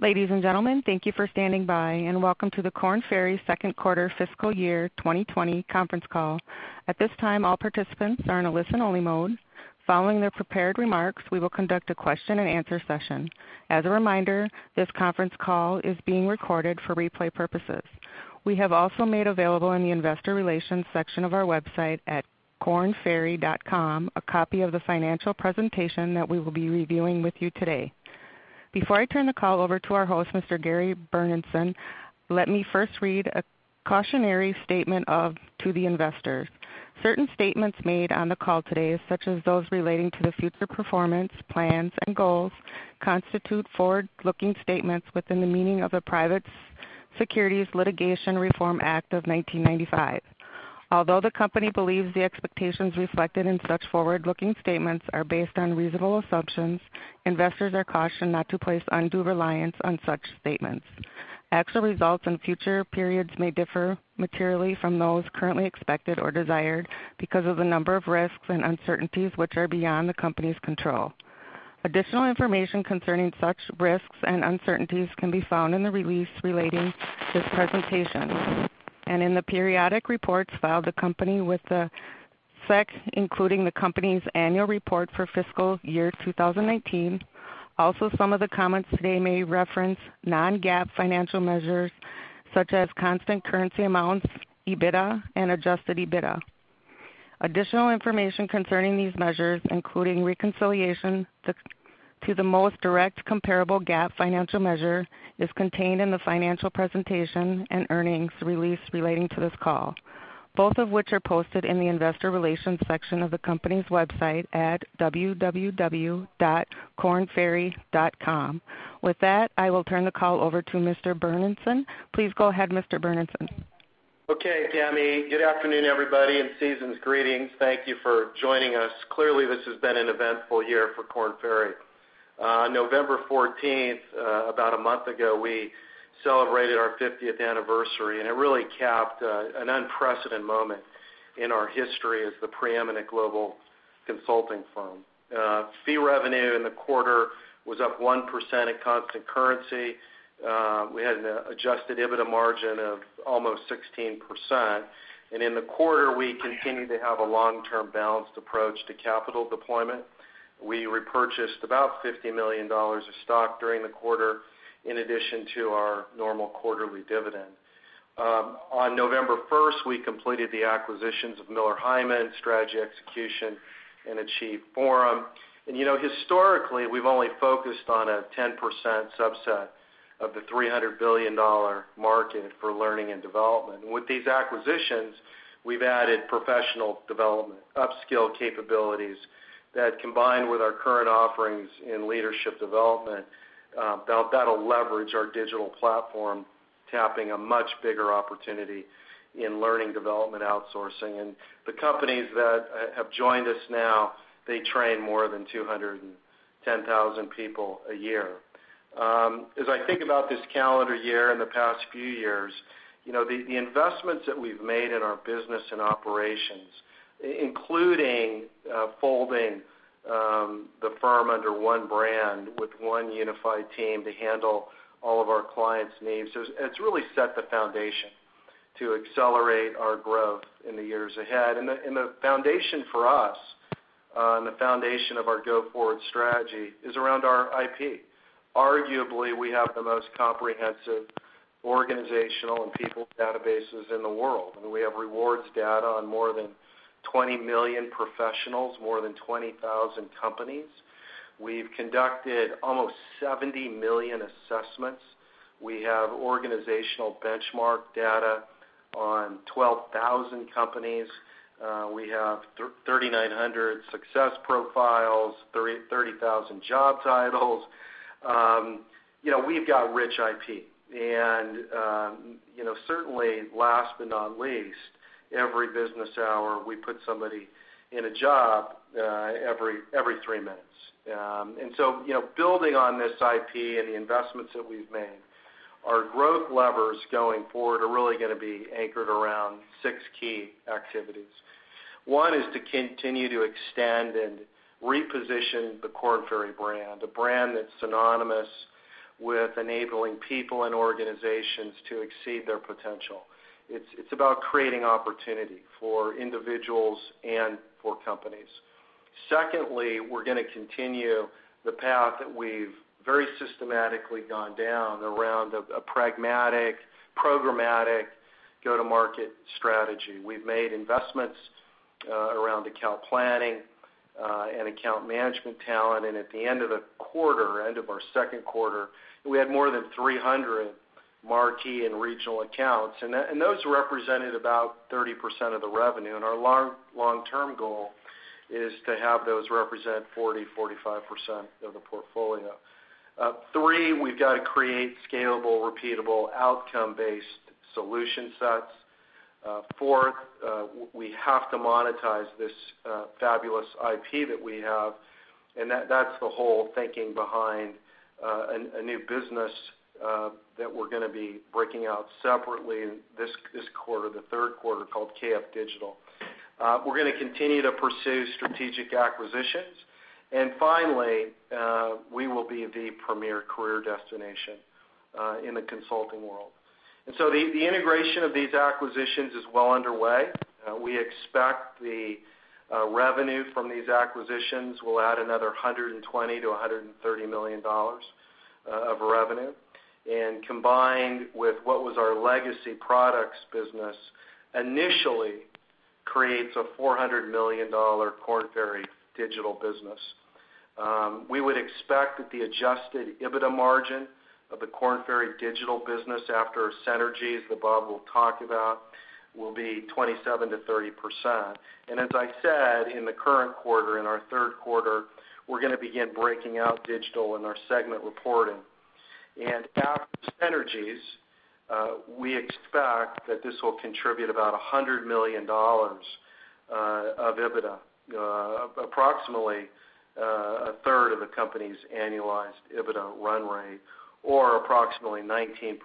Ladies and gentlemen, thank you for standing by and welcome to the Korn Ferry second quarter fiscal year 2020 conference call. At this time, all participants are in a listen-only mode. Following their prepared remarks, we will conduct a question and answer session. As a reminder, this conference call is being recorded for replay purposes. We have also made available in the investor relations section of our website at kornferry.com, a copy of the financial presentation that we will be reviewing with you today. Before I turn the call over to our host, Mr. Gary Burnison, let me first read a cautionary statement to the investors. Certain statements made on the call today, such as those relating to the future performance, plans, and goals, constitute forward-looking statements within the meaning of the Private Securities Litigation Reform Act of 1995. Although the company believes the expectations reflected in such forward-looking statements are based on reasonable assumptions, investors are cautioned not to place undue reliance on such statements. Actual results in future periods may differ materially from those currently expected or desired, because of the number of risks and uncertainties which are beyond the company's control. Additional information concerning such risks and uncertainties can be found in the release relating to this presentation and in the periodic reports filed the company with the SEC, including the company's annual report for fiscal year 2019. Also, some of the comments today may reference non-GAAP financial measures such as constant currency amounts, EBITDA and adjusted EBITDA. Additional information concerning these measures, including reconciliation to the most direct comparable GAAP financial measure, is contained in the financial presentation and earnings release relating to this call, both of which are posted in the investor relations section of the company's website at www.kornferry.com. With that, I will turn the call over to Mr. Burnison. Please go ahead, Mr. Burnison. Okay, Tammy. Good afternoon, everybody, and seasons greetings. Thank you for joining us. Clearly, this has been an eventful year for Korn Ferry. On November 14th, about a month ago, we celebrated our 50th anniversary, and it really capped an unprecedented moment in our history as the preeminent global consulting firm. Fee revenue in the quarter was up 1% at constant currency. We had an adjusted EBITDA margin of almost 16%. In the quarter, we continued to have a long-term balanced approach to capital deployment. We repurchased about $50 million of stock during the quarter in addition to our normal quarterly dividend. On November 1st, we completed the acquisitions of Miller Heiman, Strategy Execution, and AchieveForum. Historically, we've only focused on a 10% subset of the $300 billion market for learning and development. With these acquisitions, we've added professional development upskill capabilities that combine with our current offerings in leadership development. That'll leverage our digital platform, tapping a much bigger opportunity in learning development outsourcing. The companies that have joined us now, they train more than 210,000 people a year. As I think about this calendar year and the past few years, the investments that we've made in our business and operations, including folding the firm under one brand with one unified team to handle all of our clients' needs, it's really set the foundation to accelerate our growth in the years ahead. The foundation for us, and the foundation of our go-forward strategy is around our IP. Arguably, we have the most comprehensive organizational and people databases in the world. We have rewards data on more than 20 million professionals, more than 20,000 companies. We've conducted almost 70 million assessments. We have organizational benchmark data on 12,000 companies. We have 3,900 success profiles, 30,000 job titles. We've got rich IP. Certainly last but not least, every business hour, we put somebody in a job every three minutes. So building on this IP and the investments that we've made, our growth levers going forward are really going to be anchored around six key activities. One is to continue to extend and reposition the Korn Ferry brand, a brand that's synonymous with enabling people and organizations to exceed their potential. It's about creating opportunity for individuals and for companies. Secondly, we're going to continue the path that we've very systematically gone down around a pragmatic, programmatic go-to-market strategy. We've made investments around account planning and account management talent. At the end of the quarter, end of our second quarter, we had more than 300 marquee and regional accounts. Those represented about 30% of the revenue. Our long-term goal is to have those represent 40%-45% of the portfolio. Three, we've got to create scalable, repeatable, outcome-based solution sets. Fourth, we have to monetize this fabulous IP that we have, and that's the whole thinking behind a new business that we're going to be breaking out separately this quarter, the third quarter, called KF Digital. We're going to continue to pursue strategic acquisitions. Finally, we will be the premier career destination in the consulting world. The integration of these acquisitions is well underway. We expect the revenue from these acquisitions will add another $120-$130 million of revenue. Combined with what was our legacy products business, initially creates a $400 million Korn Ferry Digital business. We would expect that the adjusted EBITDA margin of the Korn Ferry Digital business after synergies that Bob will talk about, will be 27%-30%. As I said, in the current quarter, in our third quarter, we're going to begin breaking out digital in our segment reporting. At synergies, we expect that this will contribute about $100 million of EBITDA, approximately a third of the company's annualized EBITDA run rate, or approximately 19%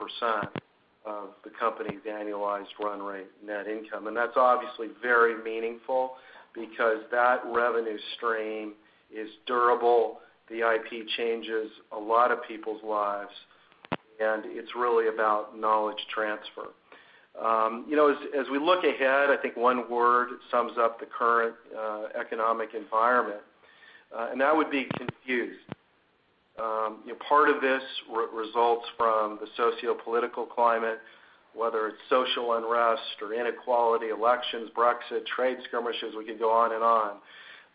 of the company's annualized run rate net income. That's obviously very meaningful because that revenue stream is durable. The IP changes a lot of people's lives, and it's really about knowledge transfer. As we look ahead, I think one word sums up the current economic environment, and that would be confused. Part of this results from the sociopolitical climate, whether it's social unrest or inequality, elections, Brexit, trade skirmishes, we could go on and on.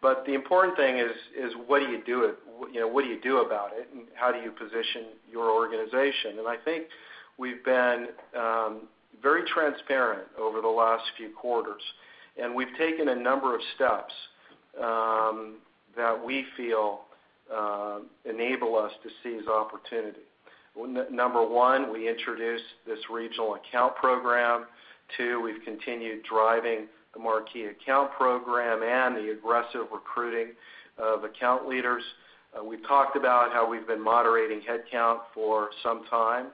The important thing is what do you do about it, and how do you position your organization? I think we've been very transparent over the last few quarters, and we've taken a number of steps that we feel enable us to seize opportunity. Number one, we introduced this regional account program. Two, we've continued driving the marquee account program and the aggressive recruiting of account leaders. We've talked about how we've been moderating headcount for some time.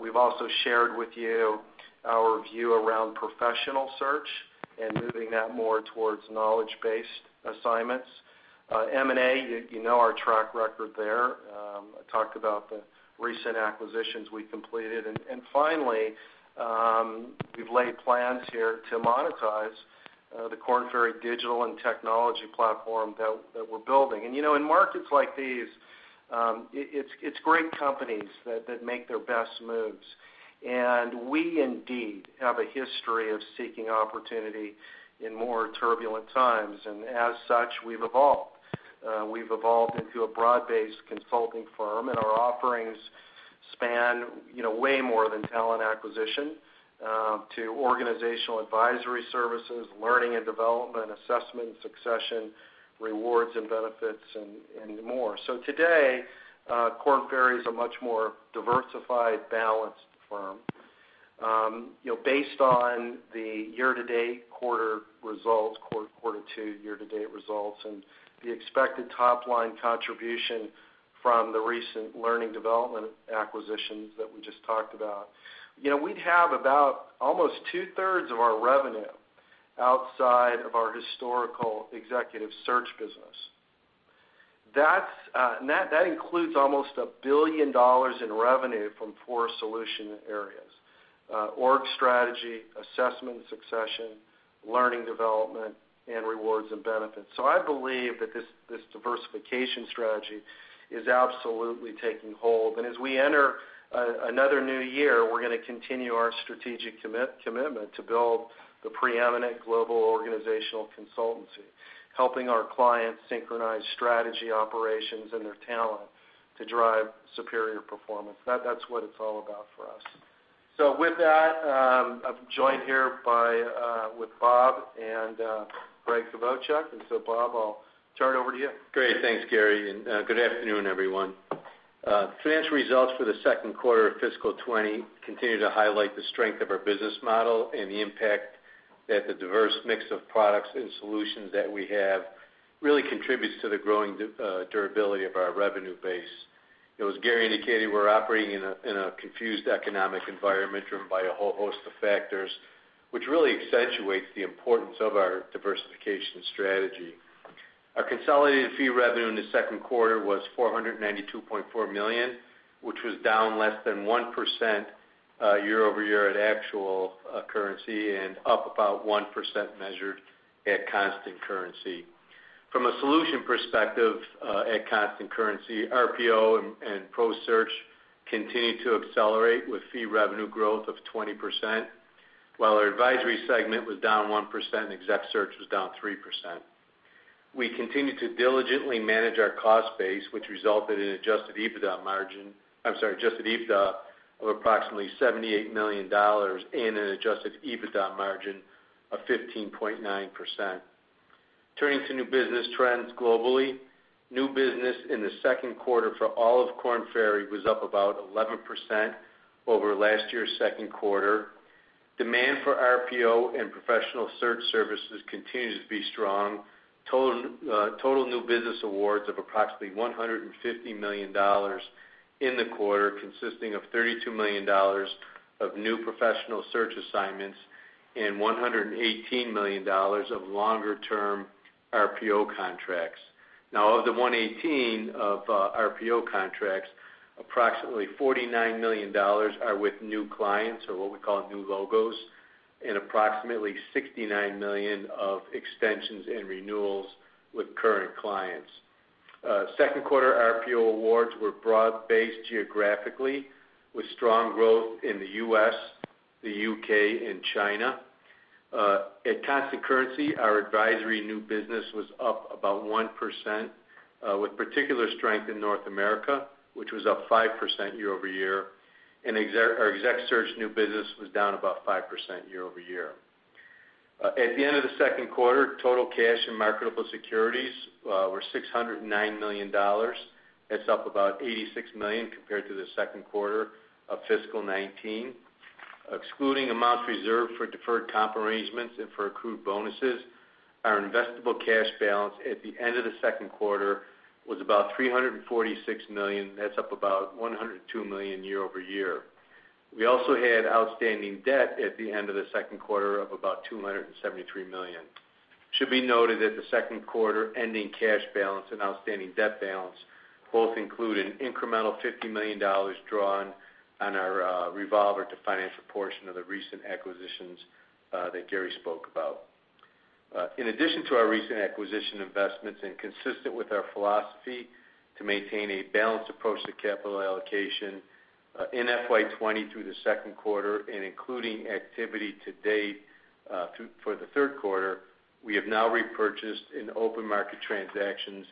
We've also shared with you our view around Professional Search and moving that more towards knowledge-based assignments. M&A, you know our track record there. I talked about the recent acquisitions we completed. Finally, we've laid plans here to monetize the Korn Ferry Digital and technology platform that we're building. In markets like these, it's great companies that make their best moves. We indeed have a history of seeking opportunity in more turbulent times, and as such, we've evolved. We've evolved into a broad-based consulting firm, and our offerings span way more than talent acquisition to organizational advisory services, learning and development, assessment and succession, rewards and benefits, and more. Today, Korn Ferry is a much more diversified, balanced firm. Based on the year-to-date quarter results, quarter-two year-to-date results, and the expected top-line contribution from the recent learning development acquisitions that we just talked about, we'd have about almost two-thirds of our revenue outside of our historical Executive Search business. That includes almost $1 billion in revenue from four solution areas: Org Strategy, Assessment and Succession, Learning Development, and Rewards and Benefits. I believe that this diversification strategy is absolutely taking hold. As we enter another new year, we're going to continue our strategic commitment to build the preeminent global organizational consultancy, helping our clients synchronize strategy operations and their talent to drive superior performance. That's what it's all about for us. With that, I'm joined here with Bob and Gregg Kvochak, and so Bob, I'll turn it over to you. Great. Thanks, Gary, and good afternoon, everyone. Financial results for the second quarter of fiscal 2020 continue to highlight the strength of our business model and the impact that the diverse mix of products and solutions that we have really contributes to the growing durability of our revenue base. As Gary indicated, we're operating in a confused economic environment driven by a whole host of factors, which really accentuates the importance of our diversification strategy. Our consolidated fee revenue in the second quarter was $492.4 million, which was down less than 1% year-over-year at actual currency and up about 1% measured at constant currency. From a solution perspective at constant currency, RPO and ProSearch continued to accelerate with fee revenue growth of 20%, while our advisory segment was down 1% and ExecSearch was down 3%. We continued to diligently manage our cost base, which resulted in adjusted EBITDA of approximately $78 million and an adjusted EBITDA margin of 15.9%. Turning to new business trends globally, new business in the second quarter for all of Korn Ferry was up about 11% over last year's second quarter. Demand for RPO and Professional Search services continues to be strong. Total new business awards of approximately $150 million in the quarter, consisting of $32 million of new Professional Search assignments and $118 million of longer-term RPO contracts. Of the 118 of RPO contracts, approximately $49 million are with new clients, or what we call new logos, and approximately $69 million of extensions and renewals with current clients. Second quarter RPO awards were broad-based geographically, with strong growth in the U.S., the U.K., and China. At constant currency, our advisory new business was up about 1%, with particular strength in North America, which was up 5% year-over-year. Our Executive Search new business was down about 5% year-over-year. At the end of the second quarter, total cash and marketable securities were $609 million. That's up about $186 million compared to the second quarter of fiscal year 2019. Excluding amounts reserved for deferred comp arrangements and for accrued bonuses, our investable cash balance at the end of the second quarter was about $346 million. That's up about $102 million year-over-year. We also had outstanding debt at the end of the second quarter of about $273 million. It should be noted that the second quarter ending cash balance and outstanding debt balance both include an incremental $50 million drawn on our revolver to finance a portion of the recent acquisitions that Gary spoke about. In addition to our recent acquisition investments, and consistent with our philosophy to maintain a balanced approach to capital allocation, in FY 2020 through the second quarter and including activity to date for the third quarter, we have now repurchased in open market transactions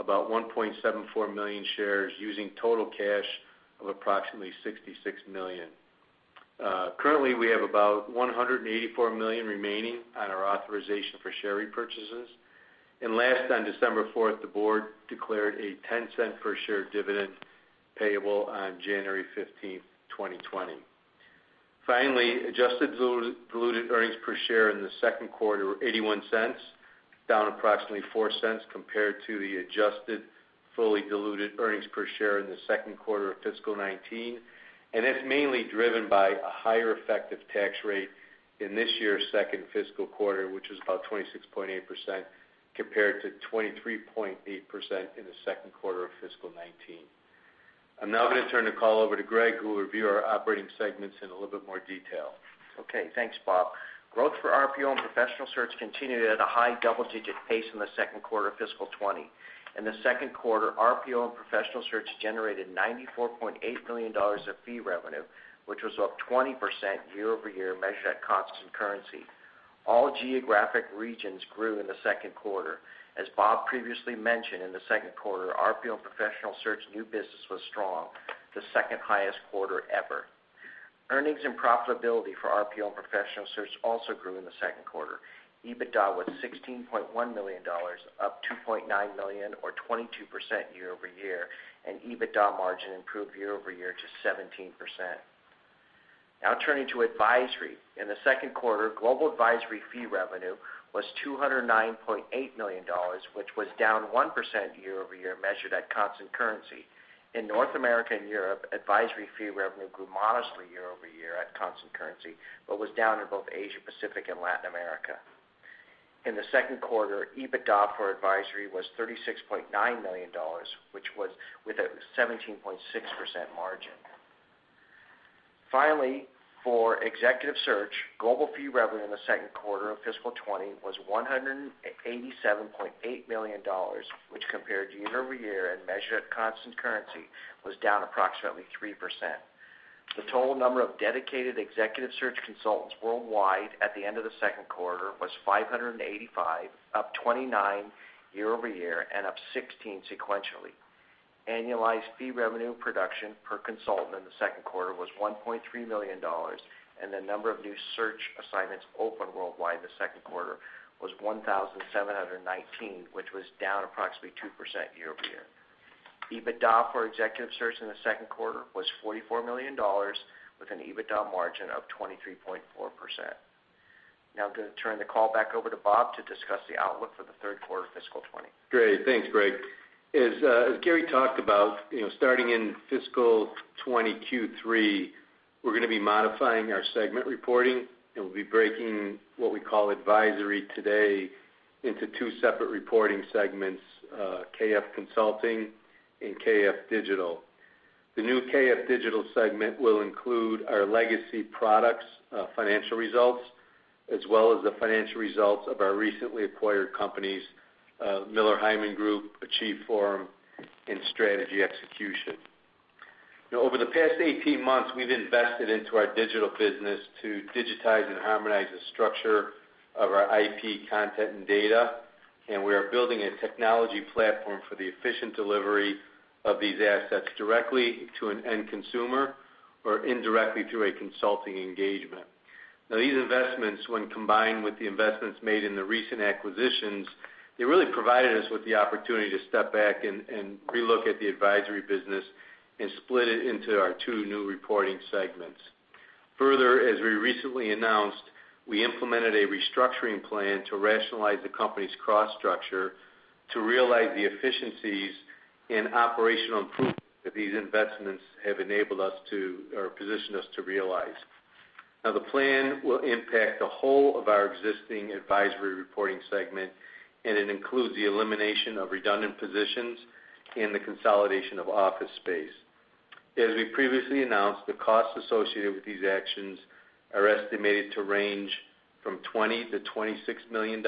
about 1.74 million shares using total cash of approximately $66 million. Currently, we have about $184 million remaining on our authorization for share repurchases. Last, on December 4th, the board declared a $0.10 per share dividend payable on January 15th, 2020. Finally, adjusted diluted earnings per share in the second quarter were $0.81, down approximately $0.04 compared to the adjusted fully diluted earnings per share in the second quarter of fiscal 2019. It's mainly driven by a higher effective tax rate in this year's second fiscal quarter, which is about 26.8%, compared to 23.8% in the second quarter of fiscal 2019. I'm now going to turn the call over to Gregg, who will review our operating segments in a little bit more detail. Thanks, Bob. Growth for RPO and Professional Search continued at a high double-digit pace in the second quarter of FY20. In the second quarter, RPO and Professional Search generated $94.8 million of fee revenue, which was up 20% year-over-year, measured at constant currency. All geographic regions grew in the second quarter. As Bob previously mentioned, in the second quarter, RPO and Professional Search new business was strong, the second-highest quarter ever. Earnings and profitability for RPO and Professional Search also grew in the second quarter. EBITDA was $16.1 million, up $2.9 million or 22% year-over-year, and EBITDA margin improved year-over-year to 17%. Turning to advisory. In the second quarter, global advisory fee revenue was $209.8 million, which was down 1% year-over-year, measured at constant currency. In North America and Europe, advisory fee revenue grew modestly year-over-year at constant currency, but was down in both Asia Pacific and Latin America. In the second quarter, EBITDA for advisory was $36.9 million, which was with a 17.6% margin. Finally, for Executive Search, global fee revenue in the second quarter of fiscal 2020 was $187.8 million, which compared year-over-year and measured at constant currency was down approximately 3%. The total number of dedicated Executive Search consultants worldwide at the end of the second quarter was 585, up 29 year-over-year and up 16 sequentially. Annualized fee revenue production per consultant in the second quarter was $1.3 million, and the number of new search assignments open worldwide in the second quarter was 1,719, which was down approximately 2% year-over-year. EBITDA for Executive Search in the second quarter was $44 million, with an EBITDA margin of 23.4%. Now I'm going to turn the call back over to Bob to discuss the outlook for the third quarter of fiscal 2020. Great. Thanks, Gregg. As Gary talked about, starting in fiscal 2020 Q3, we're going to be modifying our segment reporting, and we'll be breaking what we call advisory today into two separate reporting segments, KF Consulting and KF Digital. The new KF Digital segment will include our legacy products' financial results, as well as the financial results of our recently acquired companies, Miller Heiman Group, AchieveForum, and Strategy Execution. Now, over the past 18 months, we've invested into our digital business to digitize and harmonize the structure of our IP content and data, and we are building a technology platform for the efficient delivery of these assets directly to an end consumer or indirectly through a consulting engagement. These investments, when combined with the investments made in the recent acquisitions, they really provided us with the opportunity to step back and relook at the advisory business and split it into our two new reporting segments. As we recently announced, we implemented a restructuring plan to rationalize the company's cost structure to realize the efficiencies and operational improvements that these investments have enabled us to or positioned us to realize. The plan will impact the whole of our existing advisory reporting segment, and it includes the elimination of redundant positions and the consolidation of office space. As we previously announced, the costs associated with these actions are estimated to range from $20 million-$26 million,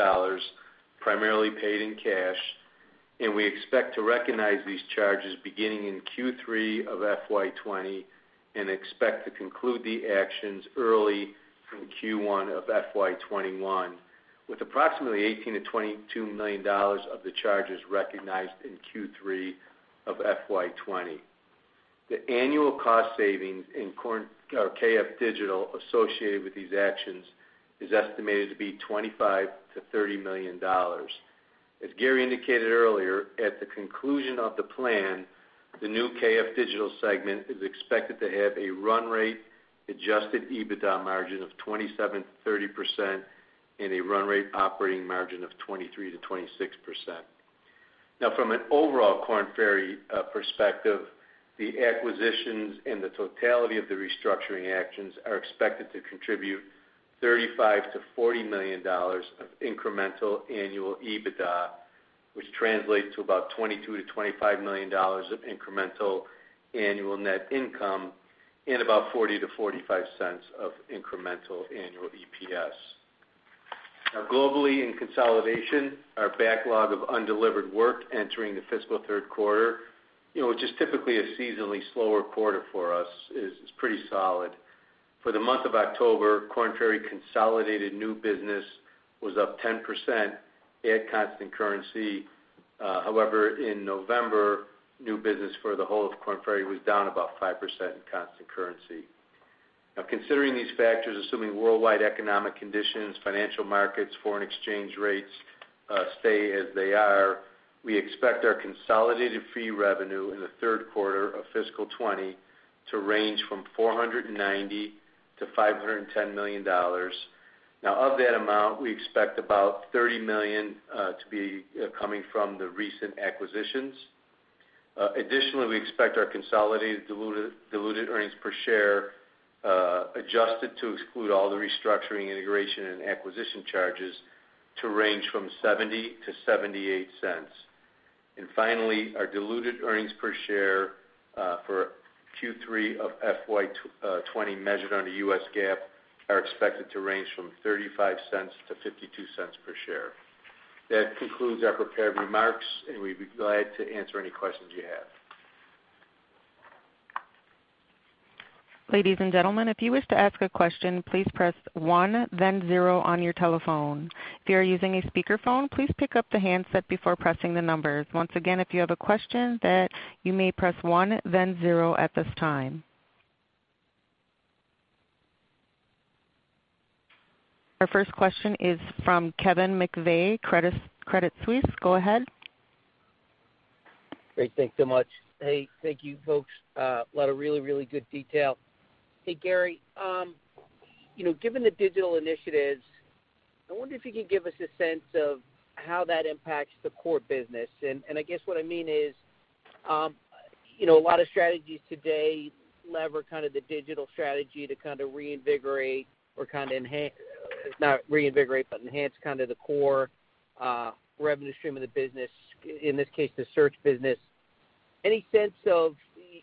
primarily paid in cash, and we expect to recognize these charges beginning in Q3 of FY 2020, and expect to conclude the actions early in Q1 of FY 2021, with approximately $18 million-$22 million of the charges recognized in Q3 of FY 2020. The annual cost savings in KF Digital associated with these actions is estimated to be $25 million-$30 million. As Gary indicated earlier, at the conclusion of the plan, the new KF Digital segment is expected to have a run rate adjusted EBITDA margin of 27%-30% and a run rate operating margin of 23%-26%. From an overall Korn Ferry perspective, the acquisitions and the totality of the restructuring actions are expected to contribute $35 million-$40 million of incremental annual EBITDA, which translates to about $22 million-$25 million of incremental annual net income and about $0.40-$0.45 of incremental annual EPS. Globally, in consolidation, our backlog of undelivered work entering the fiscal third quarter, which is typically a seasonally slower quarter for us, is pretty solid. For the month of October, Korn Ferry consolidated new business was up 10% at constant currency. In November, new business for the whole of Korn Ferry was down about 5% in constant currency. Considering these factors, assuming worldwide economic conditions, financial markets, foreign exchange rates stay as they are, we expect our consolidated fee revenue in the third quarter of fiscal 2020 to range from $490 million-$510 million. Of that amount, we expect about $30 million to be coming from the recent acquisitions. Additionally, we expect our consolidated diluted earnings per share, adjusted to exclude all the restructuring, integration, and acquisition charges, to range from $0.70-$0.78. Finally, our diluted earnings per share for Q3 of FY 2020, measured under US GAAP, are expected to range from $0.35-$0.52 per share. That concludes our prepared remarks, and we'd be glad to answer any questions you have. Ladies and gentlemen, if you wish to ask a question, please press one, then zero on your telephone. If you are using a speakerphone, please pick up the handset before pressing the numbers. Once again, if you have a question then you may press one, then zero at this time. Our first question is from Kevin McVeigh, Credit Suisse. Go ahead. Great. Thanks so much. Hey, thank you, folks. A lot of really good detail. Hey, Gary, given the digital initiatives, I wonder if you could give us a sense of how that impacts the core business. I guess what I mean is, a lot of strategies today lever kind of the digital strategy to kind of reinvigorate or kind of enhance, not reinvigorate, but enhance kind of the core revenue stream of the business, in this case, the search business. Any sense of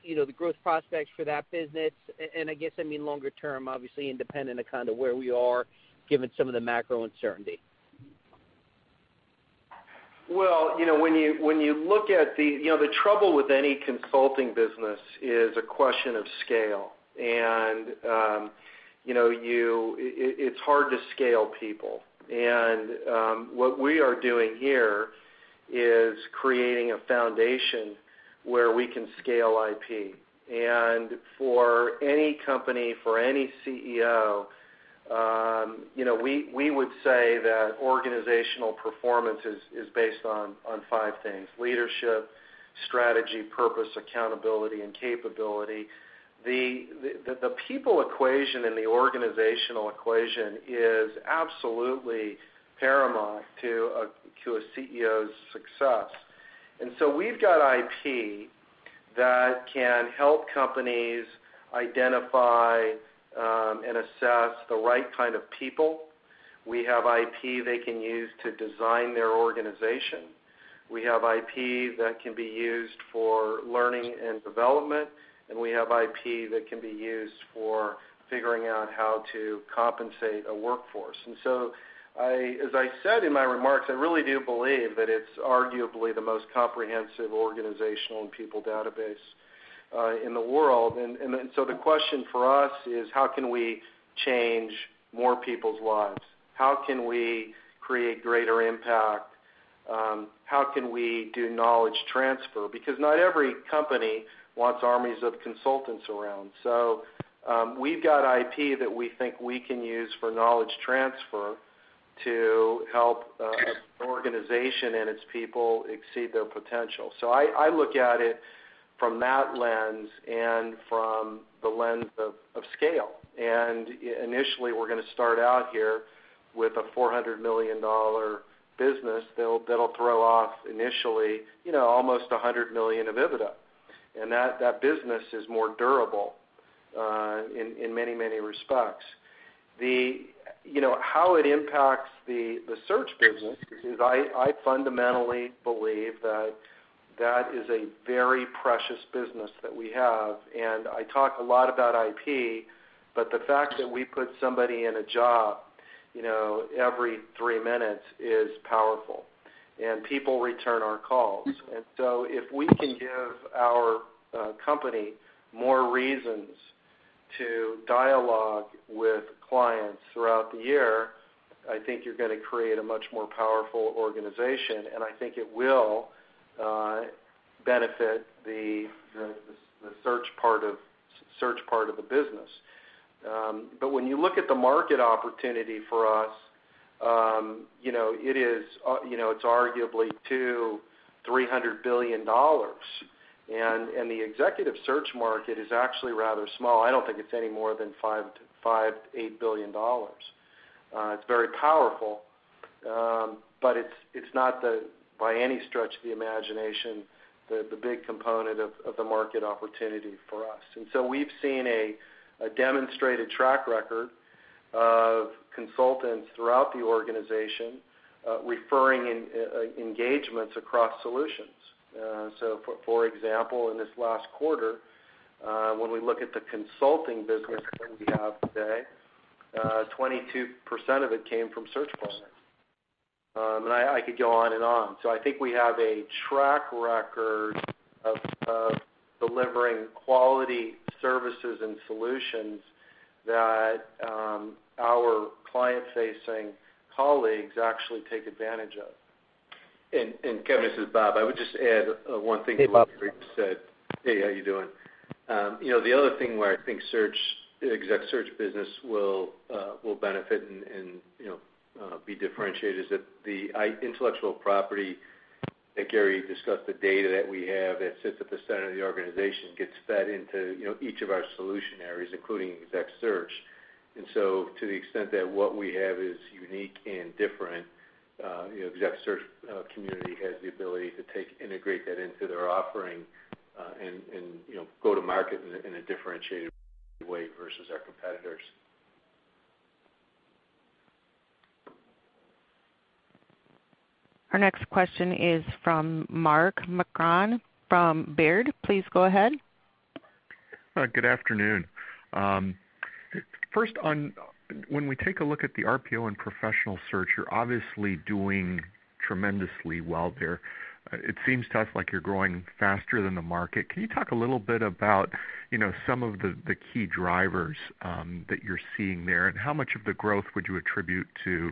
the growth prospects for that business? I guess I mean longer term, obviously independent of kind of where we are given some of the macro uncertainty. Well, the trouble with any consulting business is a question of scale. It's hard to scale people. What we are doing here is creating a foundation where we can scale IP. For any company, for any CEO, we would say that organizational performance is based on five things: leadership, strategy, purpose, accountability, and capability. The people equation and the organizational equation is absolutely paramount to a CEO's success. We've got IP that can help companies identify and assess the right kind of people. We have IP they can use to design their organization. We have IP that can be used for learning and development, and we have IP that can be used for figuring out how to compensate a workforce. As I said in my remarks, I really do believe that it's arguably the most comprehensive organizational and people database in the world. The question for us is how can we change more people's lives? How can we create greater impact? How can we do knowledge transfer? Because not every company wants armies of consultants around. We've got IP that we think we can use for knowledge transfer. To help an organization and its people exceed their potential. I look at it from that lens and from the lens of scale. Initially, we're going to start out here with a $400 million business that'll throw off initially, almost $100 million of EBITDA. That business is more durable in many respects. How it impacts the search business is I fundamentally believe that is a very precious business that we have. I talk a lot about IP, but the fact that we put somebody in a job every three minutes is powerful, and people return our calls. If we can give our company more reasons to dialogue with clients throughout the year, I think you're going to create a much more powerful organization, and I think it will benefit the search part of the business. When you look at the market opportunity for us, it's arguably $200 billion-$300 billion. The executive search market is actually rather small. I don't think it's any more than $5 billion-$8 billion. It's very powerful, but it's not, by any stretch of the imagination, the big component of the market opportunity for us. We've seen a demonstrated track record of consultants throughout the organization referring engagements across solutions. For example, in this last quarter, when we look at the consulting business that we have today, 22% of it came from search clients. I could go on and on. I think we have a track record of delivering quality services and solutions that our client-facing colleagues actually take advantage of. Kevin, this is Bob. I would just add one thing. Hey, Bob. that Gary just said. Hey, how are you doing? The other thing where I think the Exec Search business will benefit and be differentiated is that the intellectual property that Gary discussed, the data that we have that sits at the center of the organization, gets fed into each of our solution areas, including Exec Search. To the extent that what we have is unique and different, the Exec Search community has the ability to integrate that into their offering, and go to market in a differentiated way versus our competitors. Our next question is from Mark Marcon from Baird. Please go ahead. Good afternoon. First, when we take a look at the RPO and Professional Search, you're obviously doing tremendously well there. It seems to us like you're growing faster than the market. Can you talk a little bit about some of the key drivers that you're seeing there, and how much of the growth would you attribute to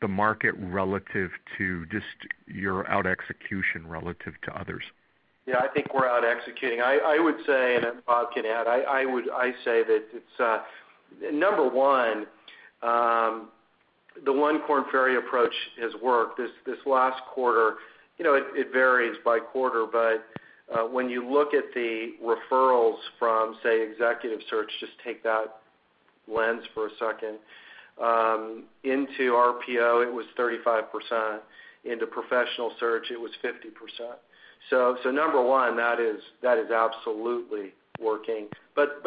the market relative to just your out execution relative to others? Yeah, I think we're out-executing. I would say, and Bob can add, I say that it's, number one, the one Korn Ferry approach has worked. This last quarter, it varies by quarter, but when you look at the referrals from, say, Executive Search, just take that lens for a second, into RPO, it was 35%, into Professional Search, it was 50%. Number one, that is absolutely working.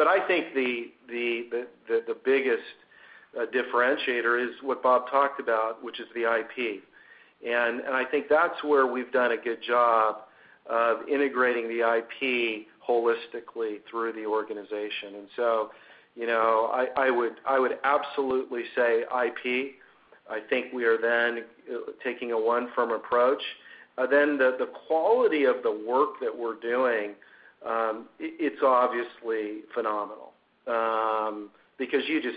I think the biggest differentiator is what Bob talked about, which is the IP. I think that's where we've done a good job of integrating the IP holistically through the organization. I would absolutely say IP. I think we are then taking a one-firm approach. The quality of the work that we're doing, it's obviously phenomenal. Because this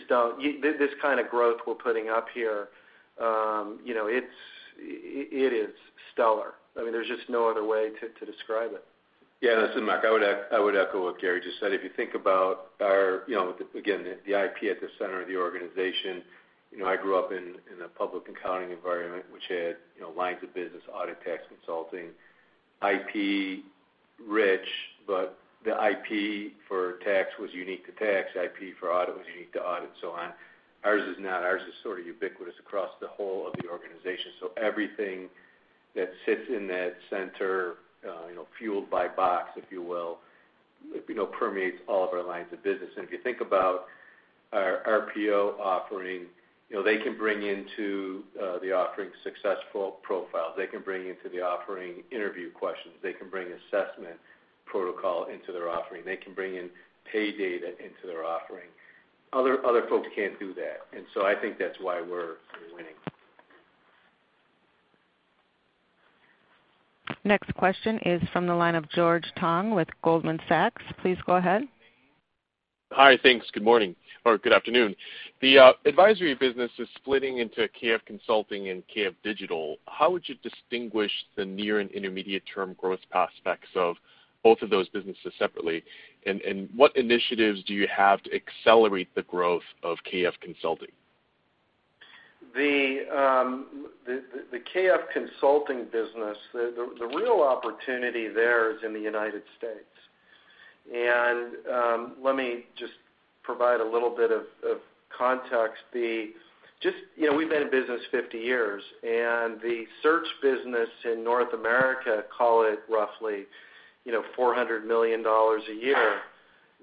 kind of growth we're putting up here, it is stellar. There's just no other way to describe it. Yeah, listen, Mark, I would echo what Gary just said. If you think about our, again, the IP at the center of the organization. I grew up in a public accounting environment, which had lines of business, audit, tax, consulting, IP rich, but the IP for tax was unique to tax, IP for audit was unique to audit, so on. Ours is not. Ours is sort of ubiquitous across the whole of the organization. Everything that sits in that center, fueled by Bob, if you will, permeates all of our lines of business. If you think about our RPO offering, they can bring into the offering successful profiles. They can bring into the offering interview questions. They can bring assessment protocol into their offering. They can bring in pay data into their offering. Other folks can't do that, I think that's why we're winning. Next question is from the line of George Tong with Goldman Sachs. Please go ahead. Hi, thanks. Good morning, or good afternoon. The advisory business is splitting into KF Consulting and KF Digital. How would you distinguish the near and intermediate-term growth prospects of both of those businesses separately? What initiatives do you have to accelerate the growth of KF Consulting? The Korn Ferry consulting business, the real opportunity there is in the U.S. Let me just provide a little bit of context. We've been in business 50 years, and the search business in North America, call it roughly $400 million a year.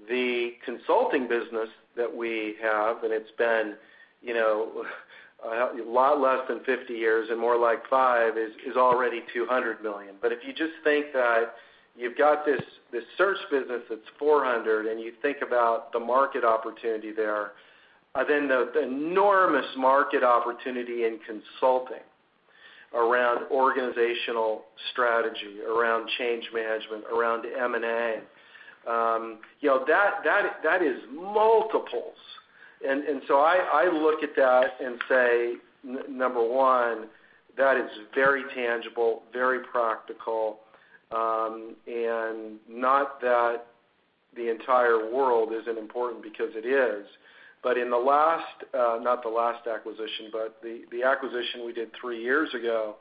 The consulting business that we have, and it's been a lot less than 50 years and more like five, is already $200 million. If you just think that you've got this search business that's $400 million, and you think about the market opportunity there, then the enormous market opportunity in consulting around organizational strategy, around change management, around M&A. That is multiples. I look at that and say, number one, that is very tangible, very practical. Not that the entire world isn't important, because it is, but in the last, not the last acquisition, but the acquisition we did three years ago,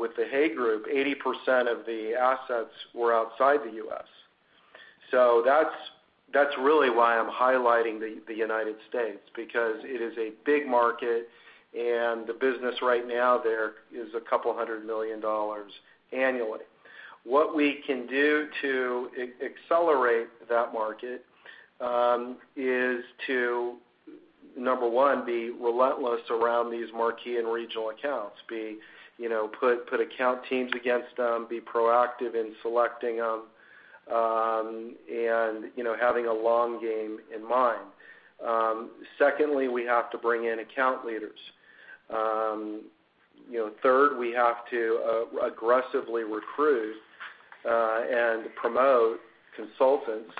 with the Hay Group, 80% of the assets were outside the U.S. That's really why I'm highlighting the United States, because it is a big market, and the business right now there is a couple hundred million dollars annually. What we can do to accelerate that market, is to, number one, be relentless around these marquee and regional accounts. Put account teams against them, be proactive in selecting them, and having a long game in mind. Secondly, we have to bring in account leaders. Third, we have to aggressively recruit, and promote consultants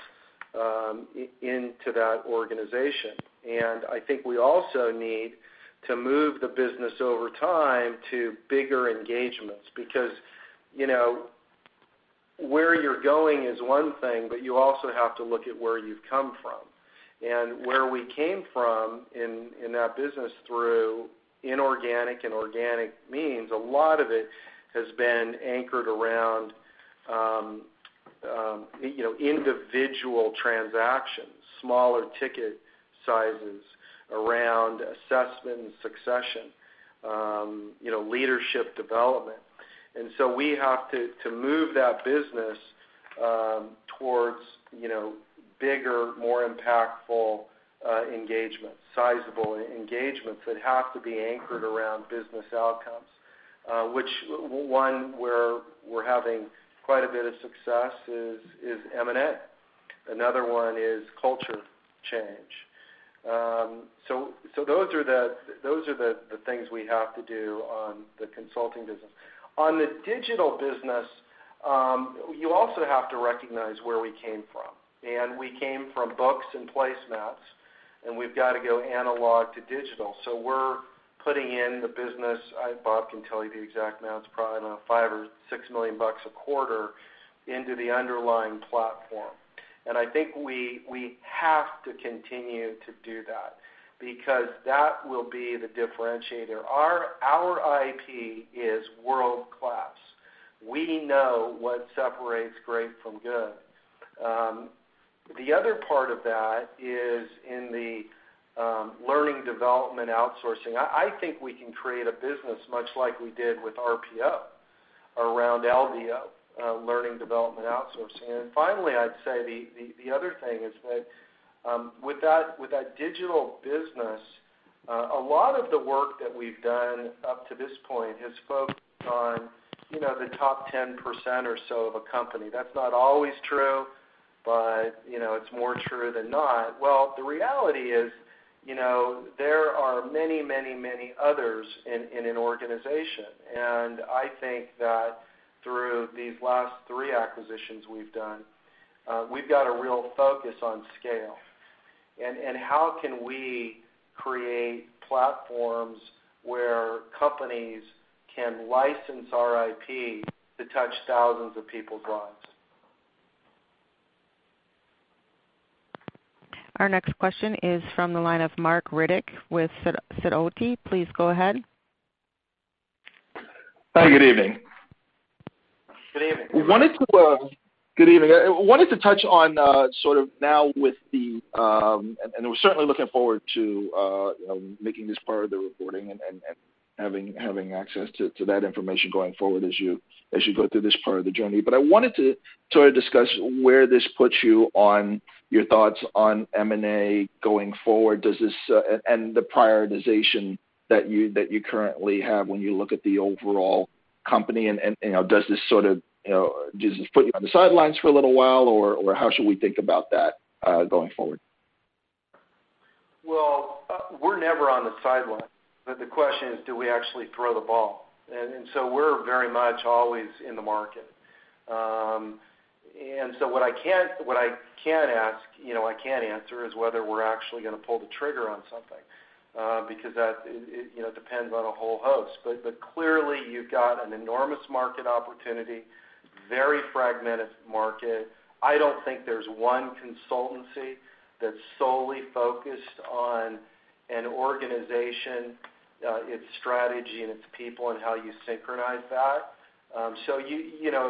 into that organization. I think we also need to move the business over time to bigger engagements, because where you're going is one thing, but you also have to look at where you've come from. Where we came from in that business through inorganic and organic means, a lot of it has been anchored around individual transactions, smaller ticket sizes around assessment and succession, leadership development. We have to move that business towards bigger, more impactful engagements, sizable engagements that have to be anchored around business outcomes. Which one, where we're having quite a bit of success is M&A. Another one is culture change. Those are the things we have to do on the Consulting Business. On the Digital Business, you also have to recognize where we came from. We came from books and placemats, and we've got to go analog to digital. We're putting in the business, Bob can tell you the exact amounts, probably around $5 million or $6 million a quarter into the underlying platform. I think we have to continue to do that because that will be the differentiator. Our IP is world-class. We know what separates great from good. The other part of that is in the learning development outsourcing. I think we can create a business much like we did with RPO around LDO, learning development outsourcing. Finally, I'd say the other thing is that, with that digital business, a lot of the work that we've done up to this point has focused on the top 10% or so of a company. That's not always true, but it's more true than not. Well, the reality is there are many others in an organization. I think that through these last three acquisitions we've done, we've got a real focus on scale. How can we create platforms where companies can license our IP to touch thousands of people's lives? Our next question is from the line of Marc Riddick with Sidoti. Please go ahead. Hi, good evening. Good evening. Good evening. I wanted to touch on sort of now we're certainly looking forward to making this part of the reporting and having access to that information going forward as you go through this part of the journey. I wanted to sort of discuss where this puts you on your thoughts on M&A going forward. The prioritization that you currently have when you look at the overall company, and does this put you on the sidelines for a little while, or how should we think about that, going forward? Well, we're never on the sidelines, the question is, do we actually throw the ball? We're very much always in the market. What I can't answer is whether we're actually going to pull the trigger on something, because that depends on a whole host. Clearly, you've got an enormous market opportunity. Very fragmented market. I don't think there's one consultancy that's solely focused on an organization, its strategy, and its people, and how you synchronize that.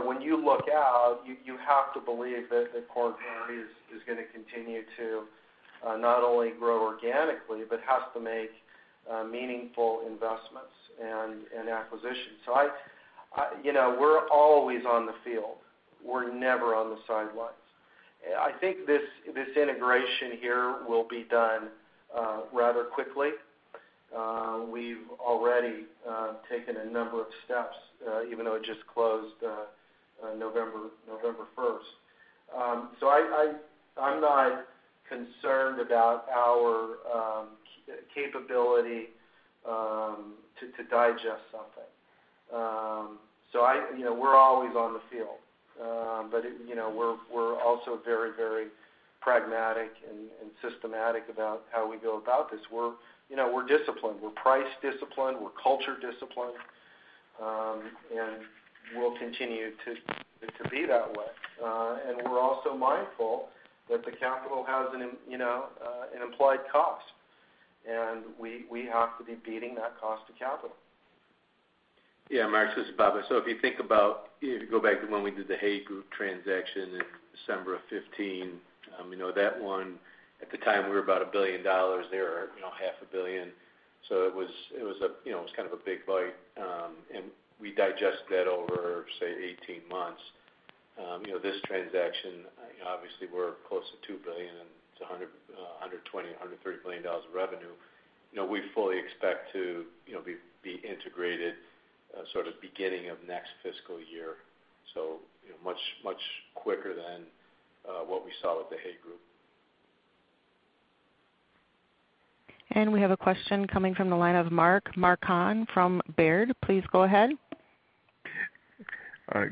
When you look out, you have to believe that Korn Ferry is going to continue to not only grow organically, but has to make meaningful investments and acquisitions. We're always on the field. We're never on the sidelines. I think this integration here will be done rather quickly. We've already taken a number of steps, even though it just closed November 1st. I'm not concerned about our capability to digest something. We're always on the field. We're also very pragmatic and systematic about how we go about this. We're disciplined. We're price-disciplined, we're culture-disciplined, and we'll continue to be that way. We're also mindful that the capital has an implied cost, and we have to be beating that cost to capital. Yeah, Mark, this is Bob. If you think about, to go back to when we did the Hay Group transaction in December of 2015, that one, at the time, we were about $1 billion. They were half a billion. It was a big bite. We digested that over, say, 18 months. This transaction, obviously, we're close to $2 billion, and it's $120 billion-$130 billion of revenue. We fully expect to be integrated beginning of next fiscal year, so much quicker than what we saw with the Hay Group. We have a question coming from the line of Mark Marcon from Baird. Please go ahead. Good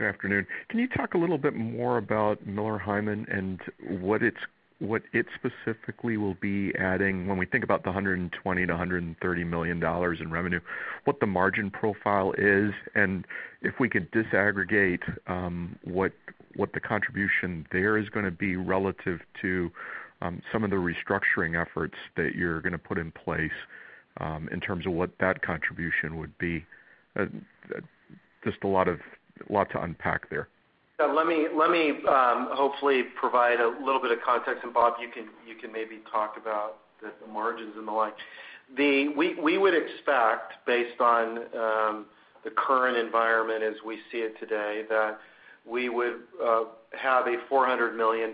afternoon. Can you talk a little bit more about Miller Heiman and what it specifically will be adding when we think about the $120 million-$130 million in revenue, what the margin profile is, and if we could disaggregate what the contribution there is going to be relative to some of the restructuring efforts that you're going to put in place in terms of what that contribution would be? Just a lot to unpack there. Let me hopefully provide a little bit of context, Bob, you can maybe talk about the margins and the like. We would expect, based on the current environment as we see it today, that we would have a $400 million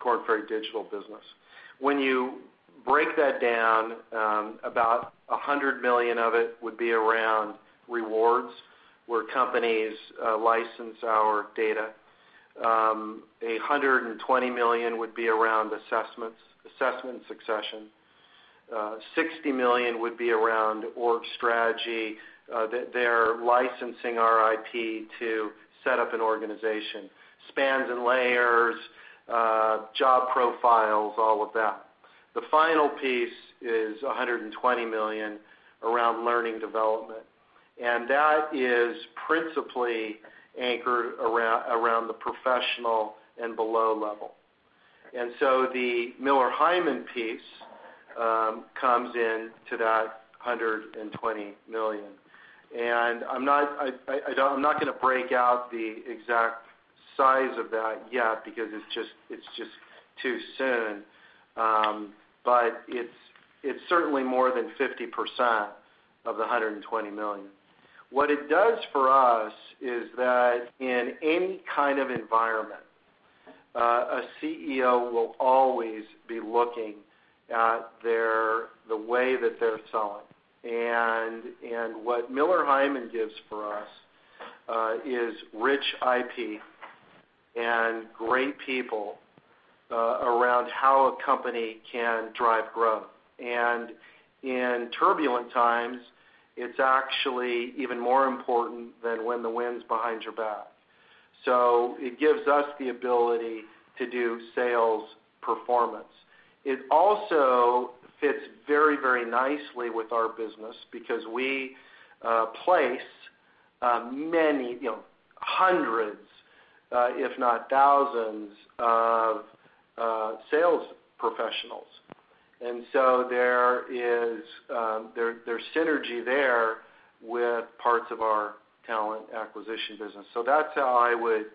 corporate digital business. When you break that down, about $100 million of it would be around rewards, where companies license our data. $120 million would be around assessment succession. $60 million would be around org strategy. They're licensing our IP to set up an organization. Spans and layers, job profiles, all of that. The final piece is $120 million around learning development, that is principally anchored around the professional and below level. The Miller Heiman piece comes into that $120 million. I'm not going to break out the exact size of that yet because it's just too soon. It's certainly more than 50% of the $120 million. What it does for us is that in any kind of environment, a CEO will always be looking at the way that they're selling. What Miller Heiman gives for us is rich IP and great people around how a company can drive growth. In turbulent times, it's actually even more important than when the wind's behind your back. It gives us the ability to do sales performance. It also fits very nicely with our business because we place many hundreds, if not thousands, of sales professionals. There's synergy there with parts of our talent acquisition business. That's how I would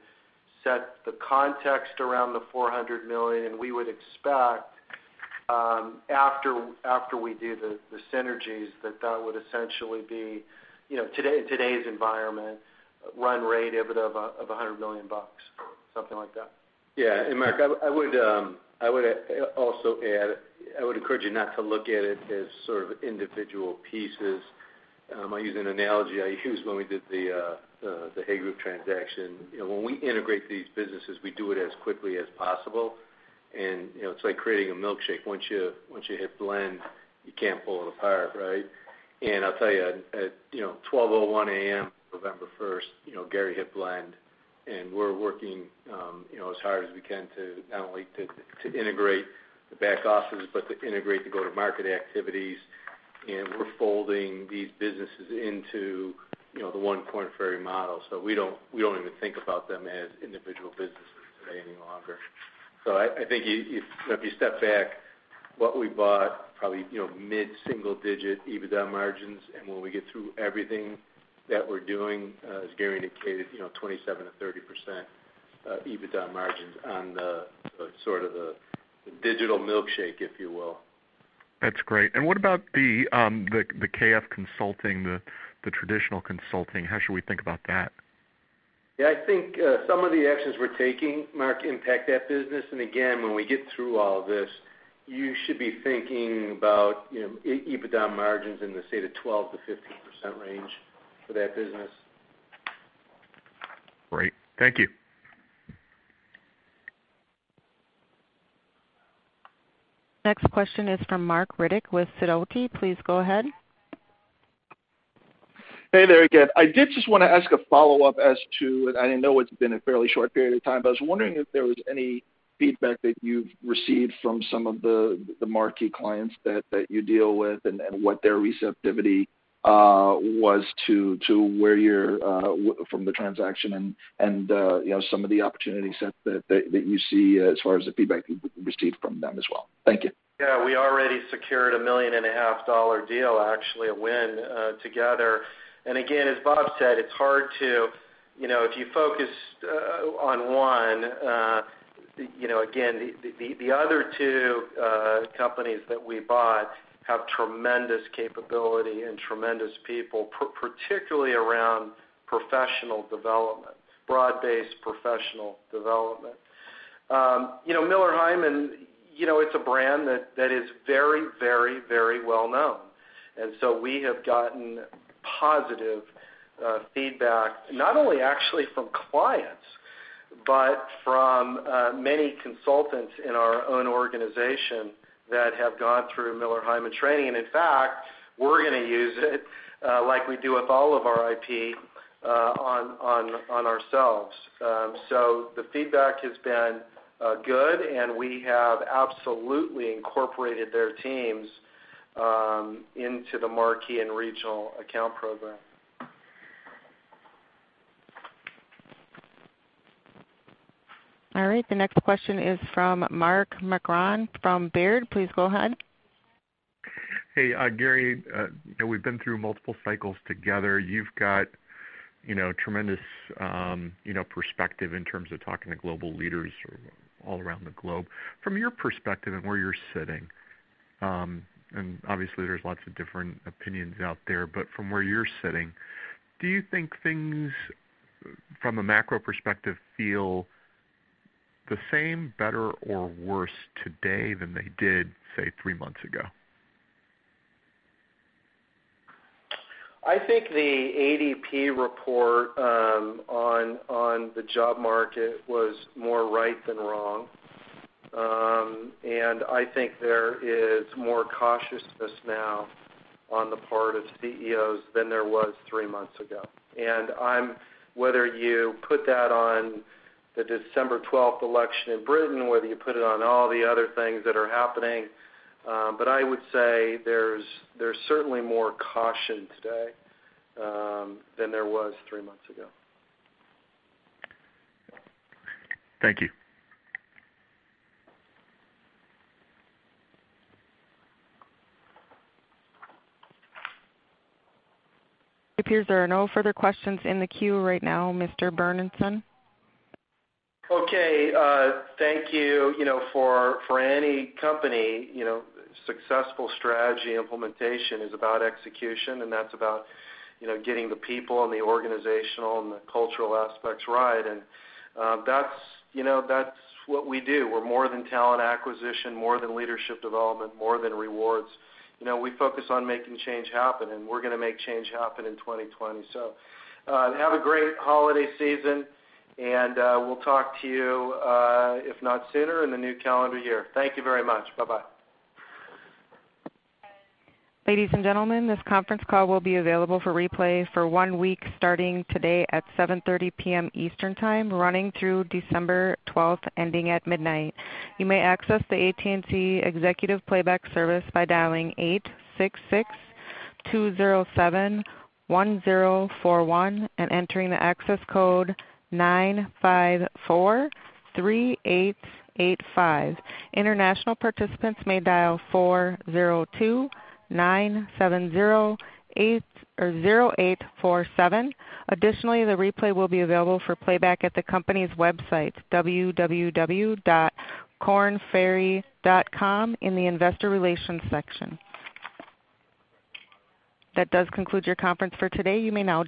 set the context around the $400 million, and we would expect, after we do the synergies, that would essentially be today's environment run rate EBITDA of $100 million, something like that. Yeah. Mark, I would also add, I would encourage you not to look at it as individual pieces. I use an analogy I used when we did the Hay Group transaction. When we integrate these businesses, we do it as quickly as possible, and it's like creating a milkshake. Once you hit blend, you can't pull it apart, right? I'll tell you, at 12:01 A.M. November 1st, Gary hit blend We're working as hard as we can to not only to integrate the back office, but to integrate the go-to-market activities. We're folding these businesses into the one Korn Ferry model. We don't even think about them as individual businesses today any longer. I think if you step back what we bought probably mid-single digit EBITDA margins, and when we get through everything that we're doing, as Gary indicated, 27%-30% EBITDA margins on the sort of the digital milkshake, if you will. That's great. What about the KF Consulting, the traditional consulting, how should we think about that? Yeah, I think some of the actions we're taking, Mark, impact that business. Again, when we get through all of this, you should be thinking about EBITDA margins in the, say, the 12%-15% range for that business. Great. Thank you. Next question is from Marc Riddick with Sidoti. Please go ahead. Hey there again. I did just want to ask a follow-up as to, and I know it's been a fairly short period of time, but I was wondering if there was any feedback that you've received from some of the marquee clients that you deal with and what their receptivity was from the transaction and some of the opportunity sets that you see as far as the feedback you've received from them as well. Thank you. Yeah, we already secured a million and a half dollar deal, actually, a win together. Again, as Bob said, if you focus on one, again, the other two companies that we bought have tremendous capability and tremendous people, particularly around professional development, broad-based professional development. Miller Heiman, it's a brand that is very well-known. We have gotten positive feedback not only actually from clients, but from many consultants in our own organization that have gone through Miller Heiman training. In fact, we're going to use it like we do with all of our IP on ourselves. The feedback has been good, and we have absolutely incorporated their teams into the marquee and regional account program. All right. The next question is from Mark Marcon from Baird. Please go ahead. Hey, Gary. We've been through multiple cycles together. You've got tremendous perspective in terms of talking to global leaders all around the globe. From your perspective and where you're sitting, and obviously there's lots of different opinions out there, but from where you're sitting, do you think things from a macro perspective feel the same, better or worse today than they did, say, three months ago? I think the ADP report on the job market was more right than wrong. I think there is more cautiousness now on the part of CEOs than there was three months ago. Whether you put that on the December 12th election in Britain, whether you put it on all the other things that are happening, I would say there's certainly more caution today than there was three months ago. Thank you. It appears there are no further questions in the queue right now, Mr. Burnison. Okay. Thank you. For any company, successful strategy implementation is about execution, and that's about getting the people and the organizational and the cultural aspects right. That's what we do. We're more than talent acquisition, more than leadership development, more than rewards. We focus on making change happen, and we're going to make change happen in 2020. Have a great holiday season, and we'll talk to you, if not sooner, in the new calendar year. Thank you very much. Bye-bye. Ladies and gentlemen, this conference call will be available for replay for one week starting today at 7:30 P.M. Eastern Time, running through December 12th, ending at midnight. You may access the AT&T Executive Playback service by dialing 866-207-1041 and entering the access code 9543885. International participants may dial 402-970-847. Additionally, the replay will be available for playback at the company's website, www.kornferry.com, in the investor relations section. That does conclude your conference for today. You may now disconnect.